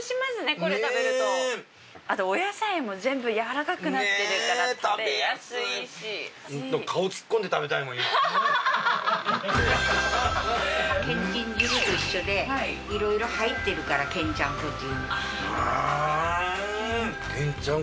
これ食べるとあとお野菜も全部やわらかくなってるから食べやすいし食べやすいけんちん汁と一緒でいろいろ入ってるから「けんちゃんこ」っていうあけんちゃん